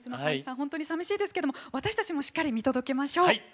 本当にさみしいですけども私たちもしっかり見届けましょう。